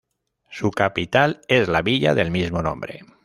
Su capital es la villa del mismo nombre.